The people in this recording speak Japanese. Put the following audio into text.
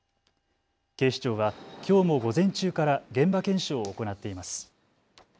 警視庁はきょうも午前中から現場検証を行っています。